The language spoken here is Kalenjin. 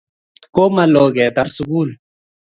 Komalo ketar sugul.